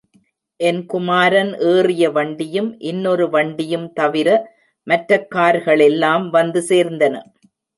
என் குமாரன் ஏறிய வண்டியும் இன்னொரு வண்டியும் தவிர மற்றக் கார்களெல்லாம் வந்து சேர்ந்தன.